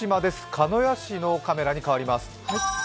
鹿屋市のカメラに変わります。